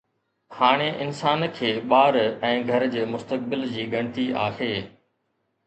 هاڻي انسان کي ٻار ۽ گهر جي مستقبل جي ڳڻتي آهي.